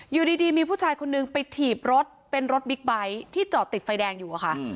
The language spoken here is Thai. อยู่ดีมีผู้ชายคนนึงไปถีบรถเป็นรถบิ๊กไบท์ที่จอดติดไฟแดงอยู่อะค่ะ